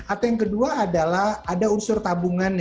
atau yang kedua adalah ada unsur tabungan